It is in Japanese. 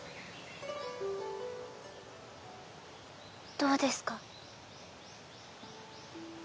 どうですか？